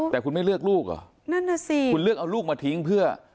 แต่คุณไม่เลือกลูกเหรอนั่นน่ะสิคุณเลือกเอาลูกมาทิ้งเพื่อ